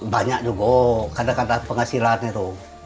banyak juga kata kata penghasilannya itu